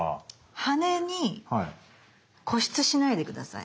羽に固執しないで下さい。